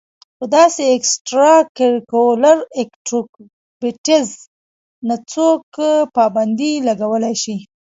پۀ داسې اېکسټرا کريکولر ايکټويټيز نۀ څوک پابندي لګولے شي